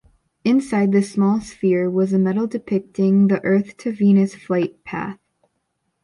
Inside this small sphere was a medal depicting the Earth-to-Venus flight path.